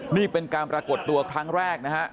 นี่เป็นการปรากฏตัวครั้งแรกนะฮะ